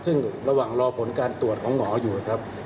ซึ่งระหว่างรอผลการตรวจของหมออยู่นะครับ